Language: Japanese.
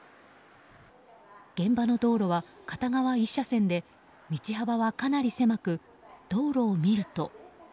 現場の道路は片側１車線で道幅はかなり狭く道路を見ると。